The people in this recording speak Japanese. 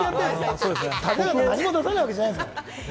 何も出さないわけじゃないですから。